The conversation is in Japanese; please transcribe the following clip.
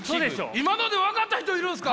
今ので分かった人いるんすか！？